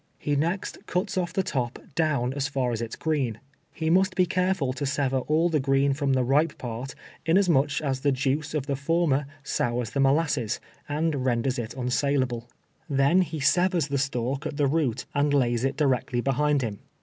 lie next cnts oif the top down as fur as it is green, lie must be careful to sever all the green from the ripe part, inasmuch as the juice of the former sours the molasses, and ren ders it unsalal)le. Tlien he severs the stalk at the root, and lays it directly behind him.